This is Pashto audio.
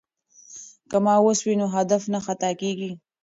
که ماوس وي نو هدف نه خطا کیږي.